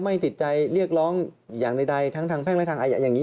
ไม่ติดใจเรียกร้องอย่างใดทั้งทางแพ่งและทางอายะอย่างนี้